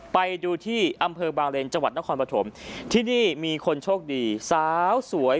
ไปดูที่อำเภอบางเลนจังหวัดนครปฐมที่นี่มีคนโชคดีสาวสวย